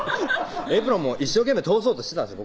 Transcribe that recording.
エプロンも一生懸命通そうとしてたんです